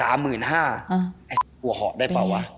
ไอ้ห่อได้ป่ะวะ